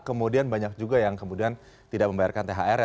kemudian banyak juga yang kemudian tidak membayarkan thr ya